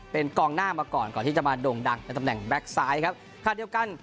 เป็นกองหน้ามาก่อนก่อนที่จะมาโด่งดังในตำแหน่งแบ็คซ้ายครับคาดเดียวกัน